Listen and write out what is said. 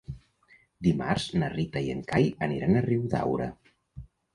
Dimarts na Rita i en Cai aniran a Riudaura.